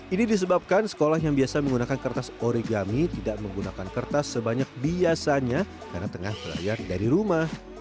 ini disebabkan sekolah yang biasa menggunakan kertas oregami tidak menggunakan kertas sebanyak biasanya karena tengah berlayar dari rumah